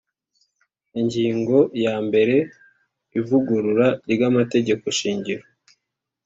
Ingingo ya mbere Ivugurura ry amategeko shingiro